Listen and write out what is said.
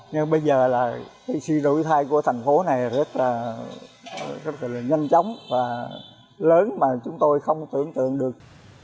nhưng bây giờ là sự rủi thai của thành phố này rất là nhanh chóng và lớn mà chúng tôi không tưởng tượng được